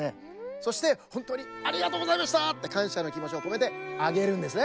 そしてほんとうにありがとうございましたってかんしゃのきもちをこめてあげるんですね。